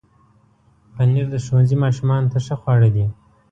پنېر د ښوونځي ماشومانو ته ښه خواړه دي.